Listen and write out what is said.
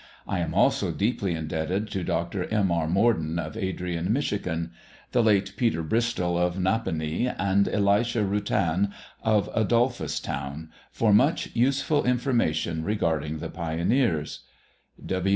I am also deeply indebted to Dr. M. R. Morden of Adrian, Michigan; the late Peter Bristol of Napanee, and Elisha Ruttan of Adolphustown, for much useful information regarding the pioneers.